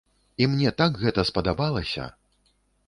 І мне так гэта спадабалася!